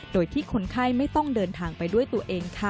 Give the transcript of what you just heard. โดยที่คนไข้ไม่ต้องเดินทางไปด้วยตัวเองค่ะ